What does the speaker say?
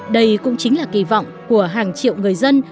đây cũng chính là kỳ vọng của hàng triệu người dân